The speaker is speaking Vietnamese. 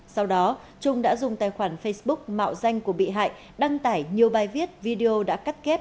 sau đó trung đã dùng tài khoản facebook mạo danh của bị hại đăng tải nhiều bài viết video đã cắt kép